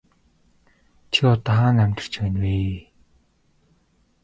Чи одоо хаана амьдарч байна вэ?